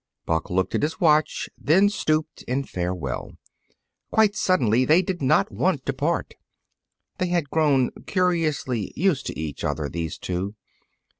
Buck looked at his watch, then stooped in farewell. Quite suddenly they did not want to part. They had grown curiously used to each other, these two.